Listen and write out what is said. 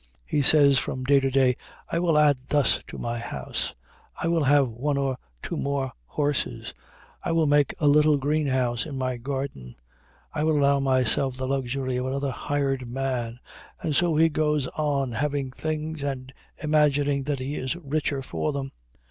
He says from day to day, "I will add thus to my house;" "I will have one or two more horses;" "I will make a little greenhouse in my garden;" "I will allow myself the luxury of another hired man;" and so he goes on having things and imagining that he is richer for them.